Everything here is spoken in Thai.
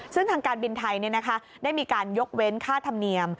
ซึ่งทางการบินไทยได้มีการยกเว้นค่าธรรมเนียม